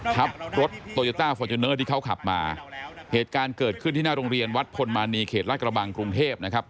ทับรถที่เขาขับมาเหตุการณ์เกิดขึ้นที่หน้าโรงเรียนวัดพลมานีเขตรัฐกระบังกรุงเทพนะครับ